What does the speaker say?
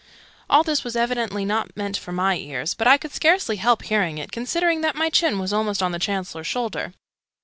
All this was evidently not meant for my ears, but I could scarcely help hearing it, considering that my chin was almost on the Chancellor's shoulder.